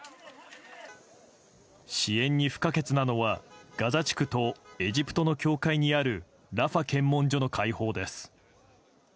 支援に不可欠なのはガザ地区とエジプトの境界にあるラファ検問所の開放です。